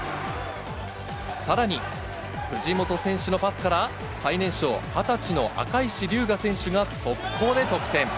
さらに、藤本選手のパスから、最年少、２０歳の赤石竜我選手が速攻で得点。